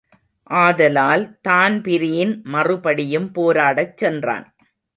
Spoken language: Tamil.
ஆதலால் தான்பிரீன் மறுபடியும் போராடச் சென்றான்.